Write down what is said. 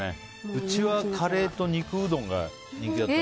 うちはカレーと肉うどんが人気だった。